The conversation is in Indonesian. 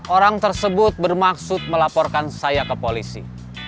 orang tersebut bermaksud melaporkan saya ke polisi